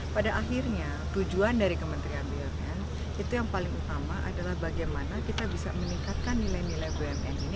pada akhirnya tujuan dari kementerian bumn itu yang paling utama adalah bagaimana kita bisa meningkatkan nilai nilai bumn ini